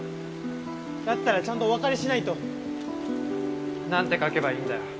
だったらちゃんとお別れしないと。なんて書けばいいんだ。